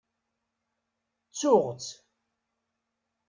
Ttuɣ-t.